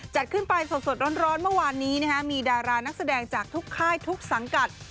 จัดขึ้นไปสดร้อนเมื่อวานนี้มีดารานักแสดงจากทุกค่ายทุกสังกัด